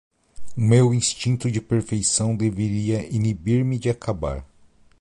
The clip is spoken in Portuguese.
O meu instinto de perfeição deveria inibir-me de acabar